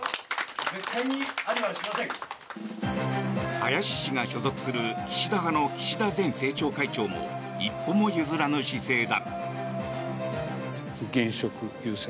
林氏が所属する岸田派の岸田前政調会長も一歩も譲らぬ姿勢だ。